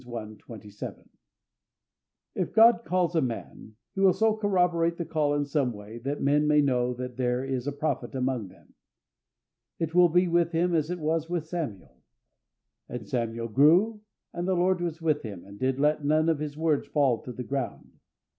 27). If God calls a man, He will so corroborate the call in some way, that men may know that there is a prophet among them. It will be with him as it was with Samuel. "And Samuel grew, and the Lord was with him, and did let none of His words fall to the ground.